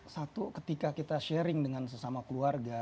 satu ketika kita sharing dengan sesama keluarga